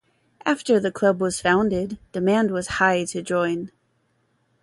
After the club was founded, demand was high to join.